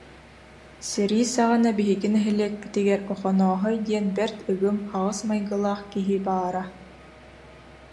Сэрии саҕана биһиги нэһилиэкпитигэр Охонооһой диэн бэрт ыгым, хаҕыс майгылаах киһи баара